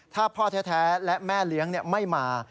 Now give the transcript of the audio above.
ถ้าพ่อแท้และแม่เลี้ยงไม่มา